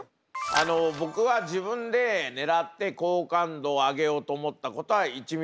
あの僕は自分で狙って好感度を上げようと思ったことは１ミリもありません。